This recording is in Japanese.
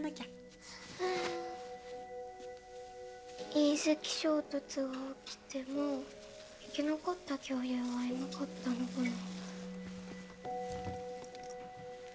隕石衝突が起きても生き残った恐竜はいなかったのかな？